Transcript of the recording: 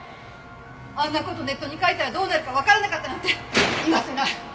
あんな事ネットに書いたらどうなるかわからなかったなんて言わせない！